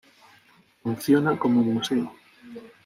Funciona como museo.